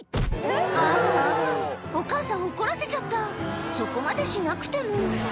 ああお母さん怒らせちゃったそこまでしなくても